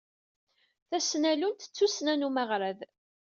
Tasnallunt d tussna n umaɣrad.